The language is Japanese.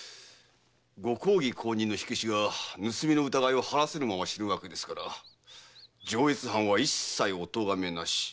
ご公儀公認の火消しが盗みの疑いを晴らせぬまま死ぬわけですから上越藩は一切お咎めなし。